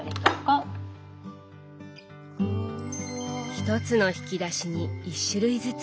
１つの引き出しに１種類ずつ。